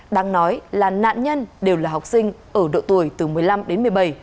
đang nói là nạn nhân đều là học sinh ở độ tuổi từ một mươi năm đến một mươi bảy